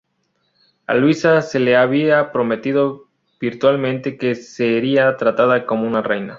A Luisa se le había prometido virtualmente que sería tratada como una reina.